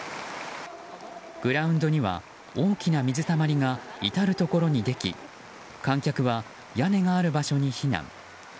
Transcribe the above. グラウンドには大きな水たまりが至るところにでき観客は屋根がある場所に避難。